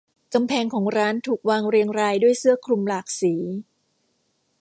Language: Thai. กำแพงของร้านถูกวางเรียงรายด้วยเสื้อคลุมหลากสี